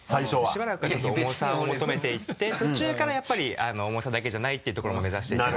しばらくはちょっと重さを求めていって途中からやっぱり重さだけじゃないっていうところも目指していって。